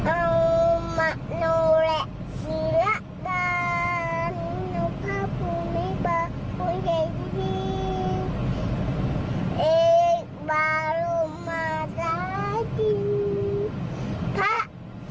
โอ้มักโนรักษีหลักบาลนินโนภาพุมีบาลมุนเทพีเอกบาลโรงมาตราดีพักชักยามินไทยวงเทพีโยมยินศีลภาพภาวรีบาล